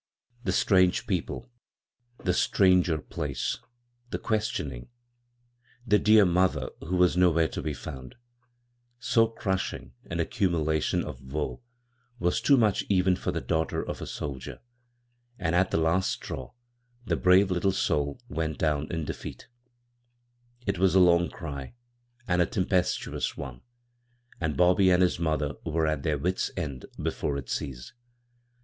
The strange people, the stiangv place^ the questioning, the dear mother who was nowhere to be found — so crushing an aanimulation of woe was too much for even the daughter of a soldier, and at the last straw the brave little soul went down in defeat It was a long cry, and a tempestuous one ; and Bobby and his mother were at their wits' end before it ceased.